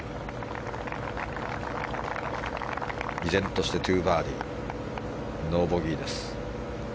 依然として２バーディー、ノーボギーです。